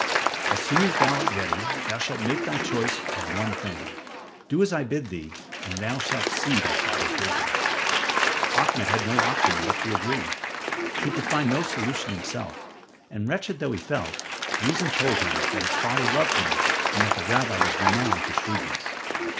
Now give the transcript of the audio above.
"As soon as thou art ready, thou shalt make thy choice of one thing. Do as I bid thee, and thou shalt see thy father's wisdom." Ahmed had no option but to agree. He could find no solution himself, and wretched though he felt, reason told him that his father loved him and that the rabbi was renowned for shrewdness.